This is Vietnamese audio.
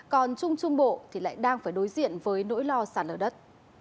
còn trung trung bộ thì lại đang phải đối diện với nỗi lo sản lở đất